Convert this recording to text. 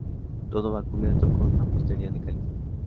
Todo va cubierto con mampostería de caliza.